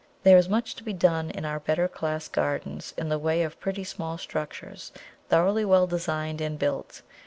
There is much to be done in our better class gardens in the way of pretty small structures thoroughly well designed and built.